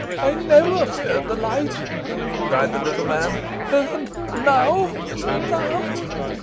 I never feared the light,' cried the little man; 'and now now